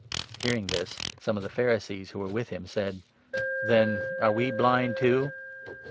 Hearing this, some of the Pharisees who were with him said : 40 " Then are we blind too